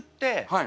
はい。